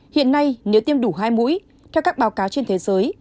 hiện nay nếu tiêm đủ hai mũi theo các báo cáo trên thế giới